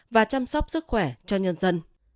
và chăm sóc sức khỏe cho nhân dân